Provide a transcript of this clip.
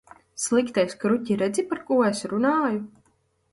Sliktais kruķi, redzi, par ko es runāju?